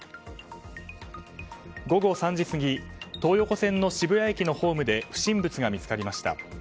午後３時過ぎ東横線の渋谷駅のホームで不審物が見つかりました。